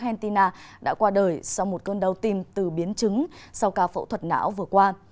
cậu bé vàng của bóng đá argentina đã qua đời sau một cơn đau tim từ biến chứng sau ca phẫu thuật não vừa qua